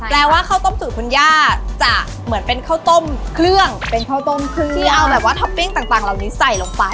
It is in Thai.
แปลว่าข้าวต้มสูตรคุณย่าจะเหมือนเป็นข้าวต้มเครื่องที่เอาแบบว่าท็อปปิ้งต่างเหล่านี้ใส่ลงไป